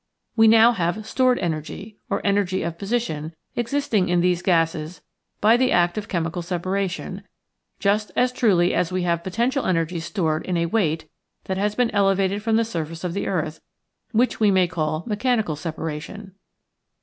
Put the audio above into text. We now have Stored Energy (or energy of position) existing in these gases by the act of chemical separation, just as truly as we have Potential Energy stored in a weight that has been elevated from the sur face of the earth, which we may call mechani cal separation.